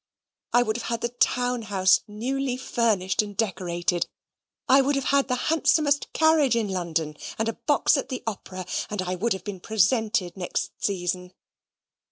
I would have had the town house newly furnished and decorated. I would have had the handsomest carriage in London, and a box at the opera; and I would have been presented next season.